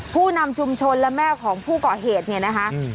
ผู้นำชุมชนและแม่ของผู้ก่อเหตุเนี่ยนะคะ